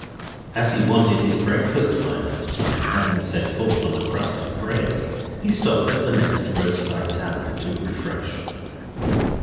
As he wanted his breakfast by that time, having set forth on a crust of bread, he stopped at the next roadside tavern to refresh.